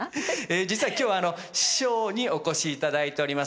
実は今日は師匠にお越しいただいております。